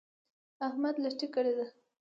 احمد لټي کړې ده.